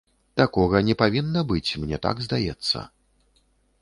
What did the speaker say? Такога не павінна быць, мне так здаецца.